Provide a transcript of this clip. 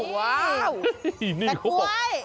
แปะก๊วย